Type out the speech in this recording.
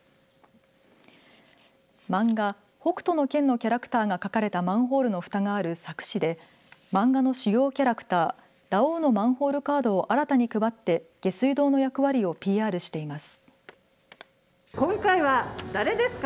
漫画、北斗の拳のキャラクターが描かれたマンホールのふたがある佐久市で漫画の主要キャラクターラオウのマンホールカードを新たに配って下水道の役割をＰＲしています。